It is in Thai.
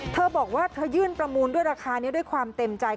เธอบอกว่าเธอยื่นประมูลด้วยราคานี้ด้วยความเต็มใจ